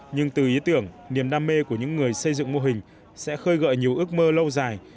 nhưng từ ý tưởng niềm đam mê của những người xây dựng mô hình sẽ khơi gợi nhiều ước mơ lâu dài